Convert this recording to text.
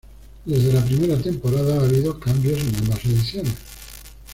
Desde la primera temporada, ha habido cambios en ambas ediciones.